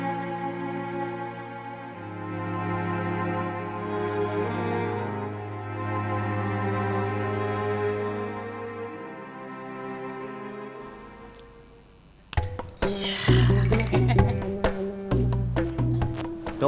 mau beli rotan